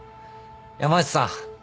山内さん